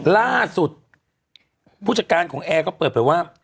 ล่าสุดผู้จัดการของแอร์ก็เปิดไปว่า